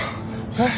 えっ？